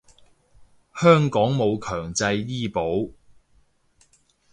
香港冇強制醫保